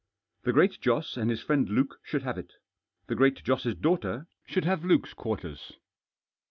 The Great Joss and his friend Luke should haye it. The Great Joss* daughter should have Luke's quavers.